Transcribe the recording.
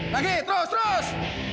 lagi terus terus